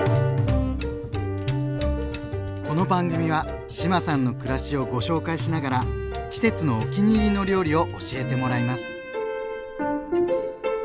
この番組は志麻さんの暮らしをご紹介しながら季節のお気に入りの料理を教えてもらいます。